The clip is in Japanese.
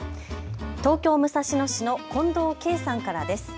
東京武蔵野市の近藤慶さんからです。